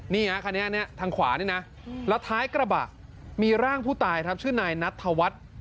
นี่อ่ะทางขวานี่นะแล้วท้ายกระบะมีร่างผู้ตายชื่อนายนัทธวัฒน์